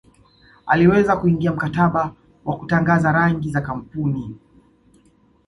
aliweza kuingia mkataba wa kutangaza rangi za kampuni